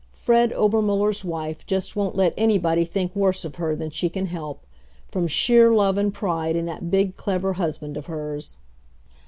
Fred Obermuller's wife just won't let anybody think worse of her than she can help from sheer love and pride in that big, clever husband of hers.